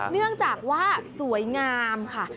เนื่องจากว่าสวยงามค่ะ